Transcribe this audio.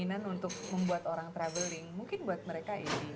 mungkin untuk membuat orang travelling mungkin buat mereka ini